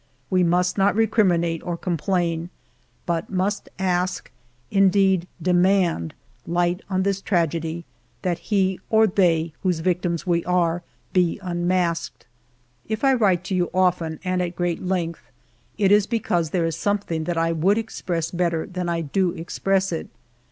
We must not recriminate or com plain, but must ask — indeed, demand — light on this tragedy ; that he or they, whose victims we are, be unmasked. " If I write to you often and at great length, it is because there is something that I would express better than I do express it.